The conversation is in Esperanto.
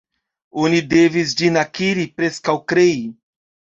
Oni devis ĝin akiri, preskaŭ krei.